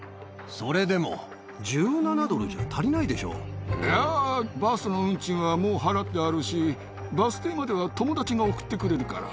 それでも１７ドルじゃ足りないや、バスの運賃はもう払ってあるし、バス停までは友達が送ってくれるから。